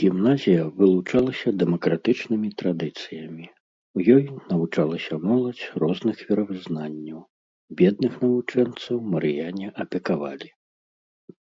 Гімназія вылучалася дэмакратычнымі традыцыямі, у ёй навучалася моладзь розных веравызнанняў, бедных навучэнцаў марыяне апекавалі.